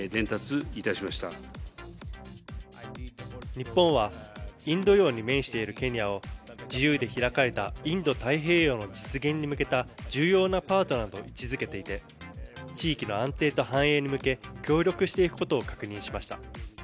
日本はインド洋に面しているケニアを自由で開かれたインド太平洋の実現に向けた重要なパートナーと位置づけていて地域の安定と繁栄に向け協力していくことを強調しました。